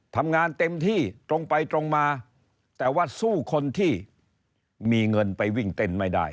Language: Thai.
ทำงานเต็มที่ตรงไปตรงมาแต่ว่าสู้คนที่มีเงินไปวิ่งเต้นไม่ได้